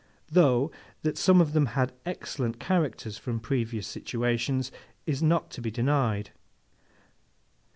Though, that some of them had excellent characters from previous situations is not to be denied.